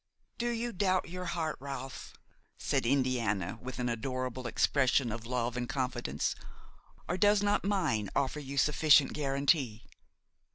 "'Do you doubt your heart, Ralph?' said Indiana with an adorable expression of love and confidence, 'or does not mine offer you sufficient guarantee?'